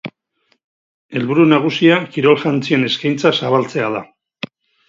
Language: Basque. Helburu nagusia kirol-jantzien eskaintza zabaltzea da.